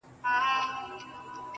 د چا خبرو ته به غوږ نه نيسو.